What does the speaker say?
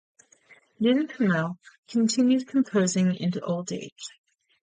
Nin-Culmell continued composing into old age.